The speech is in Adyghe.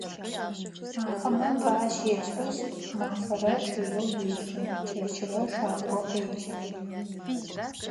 Ахэмэ бы ащешӏышъ, мафэрэ чъыеу елъы, чэщырэ шакӏо къежьэ.